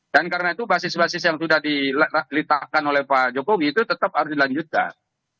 dan karena itu basis basis yang sudah dilitakan oleh pak jokowi itu tetap harus dilanjutkan